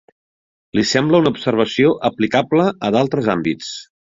Li sembla una observació aplicable a d'altres àmbits.